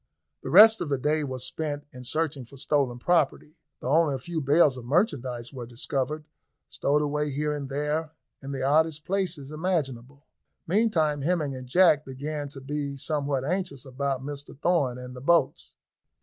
The rest of the day was spent in searching for stolen property, though only a few bales of merchandise were discovered, stowed away here and there, in the oddest places imaginable. Meantime Hemming and Jack began to be somewhat anxious about Mr Thorn and the boats.